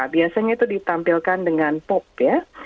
biasanya itu ditampilkan dengan pop ya